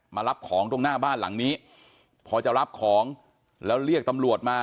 มารับของตรงหน้าบ้านหลังนี้พอจะรับของแล้วเรียกตำรวจมา